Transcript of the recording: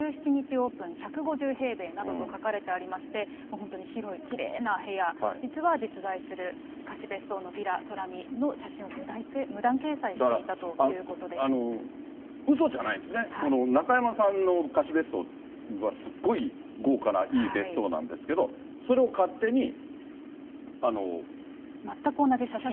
オープン、１５０平米などと書かれてありまして、本当に広い、きれいな部屋、実は実在する貸別荘のヴィラトラミの写真を無断掲載していたといだから、うそじゃないですね、この中山さんの貸別荘はすっごい豪華ないい別荘なんですけど、全く同じ写真を。